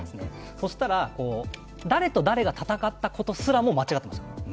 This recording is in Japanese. そしたら、誰と誰が戦ったことすらも、間違っていました。